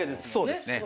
そうですね。